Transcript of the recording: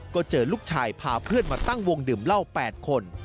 ก็เจอลูกชายพาเพื่อนมาตั้งวงดื่มเหล้า๘คน